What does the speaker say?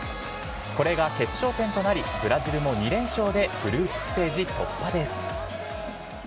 これが決勝点となり、ブラジルも２連勝でグループステージ突破です。